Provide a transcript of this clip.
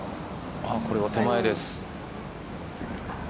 これは手前です。